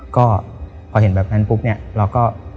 ก็พอเห็นแบบนั้นปุ๊บเนี่ยเราก็